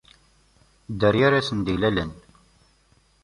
Dderya ara asen-d-ilalen.